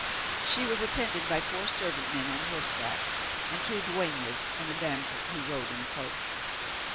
She was attended by four servant men on horseback, and two dueñas and a damsel who rode in a coach.